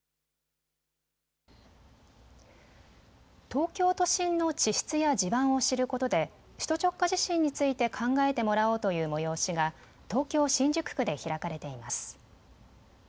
東京都心の地質や地盤を知ることで首都直下地震について考えてもらおうという催しが東京新宿区で開かれています。